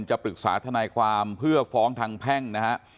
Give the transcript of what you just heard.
จะปรึกษาทนายความเพื่อฟ้องทางแพ่งนะฮะ